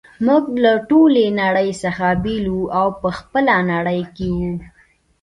موږ له ټولې نړۍ څخه بیل وو او په خپله نړۍ کي وو.